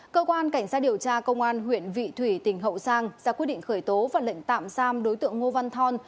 cơ quan cảnh sát điều tra công an huyện vị thủy tỉnh hậu giang ra quyết định khởi tố và lệnh tạm giam đối tượng ngô văn thon